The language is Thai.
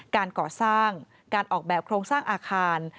การก่อสร้างการออกแบบโครงสร้างอาคาร